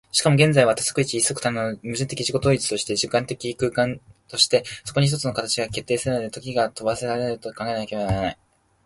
しかも現在は多即一一即多の矛盾的自己同一として、時間的空間として、そこに一つの形が決定せられ、時が止揚せられると考えられねばならない。